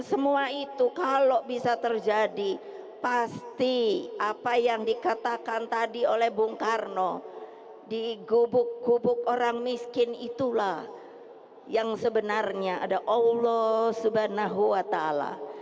dan semua itu kalau bisa terjadi pasti apa yang dikatakan tadi oleh bung karno di gubuk gubuk orang miskin itulah yang sebenarnya ada allah subhanahu wa ta'ala